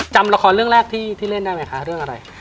จำละครเรื่องแรกที่เล่นได้ไหมคะเรื่องอะไร